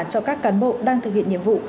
cho các cán bộ đang thực hiện nhiệm vụ